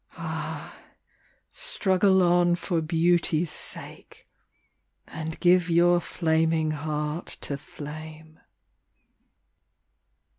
Ah, struggle on for Beauty's sake And give your flaming heart to flame.